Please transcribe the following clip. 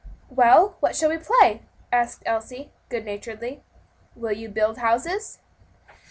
"Well, what shall we play?" asked Elsie, good naturedly. "Will you build houses?"